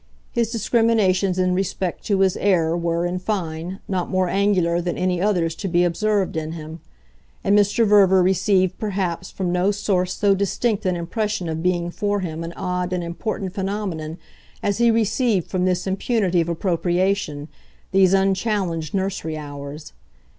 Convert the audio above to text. His discriminations in respect to his heir were, in fine, not more angular than any others to be observed in him; and Mr. Verver received perhaps from no source so distinct an impression of being for him an odd and important phenomenon as he received from this impunity of appropriation, these unchallenged nursery hours.